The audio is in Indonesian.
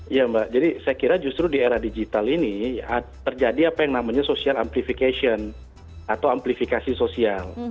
iya mbak jadi saya kira justru di era digital ini terjadi apa yang namanya social amplification atau amplifikasi sosial